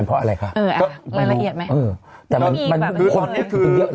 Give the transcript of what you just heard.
เพราะอะไรคะเออไงละเอียดไหมโบสถ์คือนึงปู